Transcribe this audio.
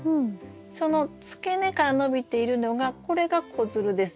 その付け根から伸びているのがこれが子づるです。